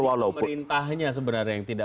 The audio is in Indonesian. jadi pemerintahnya sebenarnya yang tidak